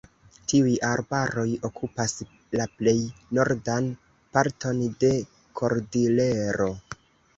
Tiuj arbaroj okupas la plej nordan parton de Kordilero.